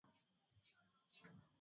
Tunajuana na kila mtu kwa familia hiyo